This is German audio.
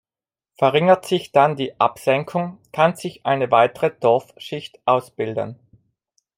Verringert sich dann die Absenkung, kann sich eine weitere Torfschicht ausbilden.